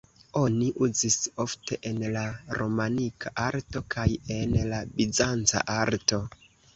Oni uzis ofte en la romanika arto kaj en la bizanca arto.